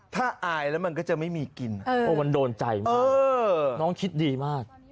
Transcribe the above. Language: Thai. ถ้าอายแล้วมันก็จะไม่มีกินโอ้มันโดนใจมากน้องคิดดีมาก